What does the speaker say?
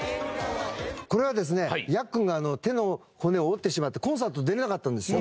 これはですねやっくんが手の骨を折ってしまってコンサート出れなかったんですよ。